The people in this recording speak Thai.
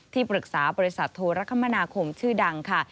ปรึกษาบริษัทโทรคมนาคมชื่อดังค่ะ